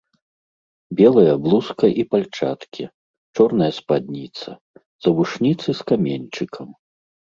Белая блузка і пальчаткі, чорная спадніца, завушніцы з каменьчыкам.